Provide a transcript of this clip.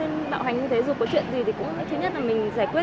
anh không thể lấy được như vậy